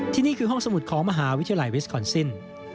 นี่คือห้องสมุดของมหาวิทยาลัยวิสคอนซิน